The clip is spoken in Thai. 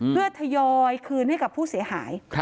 เพื่อทยอยคืนให้กับผู้เสียหาย